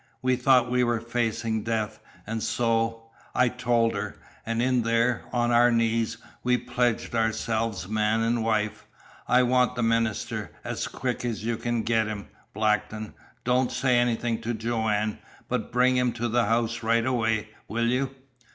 "We thought we were facing death, and so I told her. And in there, on our knees, we pledged ourselves man and wife. I want the minister as quick as you can get him, Blackton. Don't say anything to Joanne, but bring him to the house right away, will you?"